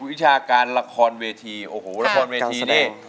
วิชาการละครเวทีโอ้โหละครเวทีนี่